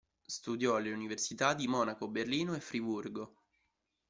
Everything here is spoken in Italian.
Studiò alle università di Monaco, Berlino e Friburgo.